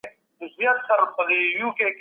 ایا ټولو پروژو خپل فعالیت بند کړ؟